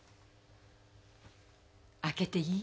開けていい？